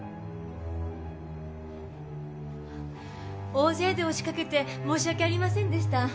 大勢で押しかけて申し訳ありませんでした。